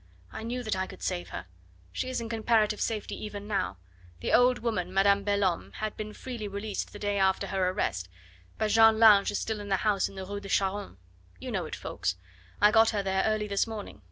I knew that I could save her. She is in comparative safety even now. The old woman, Madame Belhomme, had been freely released the day after her arrest, but Jeanne Lange is still in the house in the Rue de Charonne. You know it, Ffoulkes. I got her there early this morning.